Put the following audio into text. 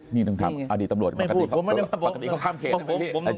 ไม่พูดผมไม่ได้มาบอก